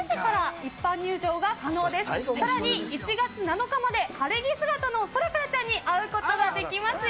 また１月７日まで晴れ着姿のソラカラちゃんに会うことができます。